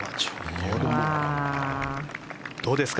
どうですか？